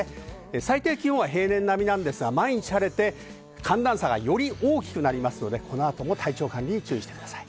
最低気温は平年並みなんですが、毎日晴れて、寒暖差がより大きくなりますので、この後も体調管理に注意してください。